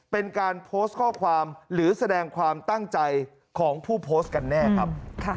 เป็นการโพสต์ข้อความหรือแสดงความตั้งใจของผู้โพสต์กันแน่ครับ